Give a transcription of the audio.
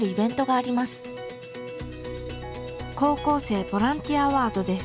高校生ボランティアアワードです。